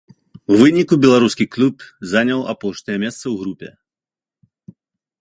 У выніку беларускі клуб заняў апошняе месца ў групе.